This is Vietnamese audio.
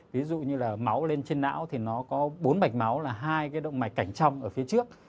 ví dụ như là máu lên trên não thì nó có bốn mạch máu là hai cái động mạch cảnh trong ở phía trước